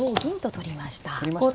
取りましたね。